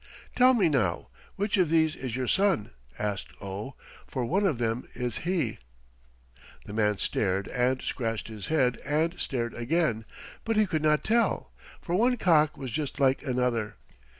"Tell me now, which of these is your son?" asked Oh, "for one of them is he." The man stared and scratched his head and stared again, but he could not tell, for one cock was just like another.